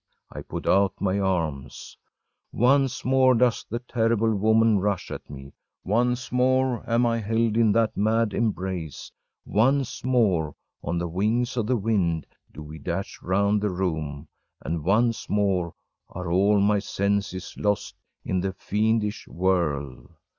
I put out my arms Once more does the terrible woman rush at me, once more am I held in that mad embrace, once more on the wings of the wind do we dash round the room! And once more are all my senses lost in the fiendish whirl!